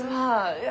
いや。